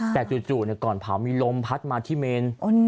แต่จู่ก่อนเผามีลมพัดมาที่เมน